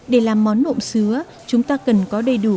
để làm món nộm sứa chúng ta cần có đầy đủ